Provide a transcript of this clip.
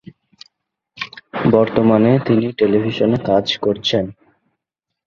বর্তমানে তিনি টেলিভিশনে কাজ করছেন।